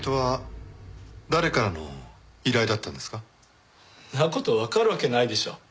んな事わかるわけないでしょ。